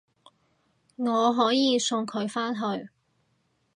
我可以送佢返去